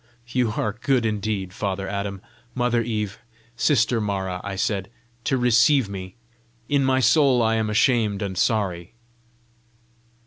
"You are good indeed, father Adam, mother Eve, sister Mara," I said, "to receive me! In my soul I am ashamed and sorry!"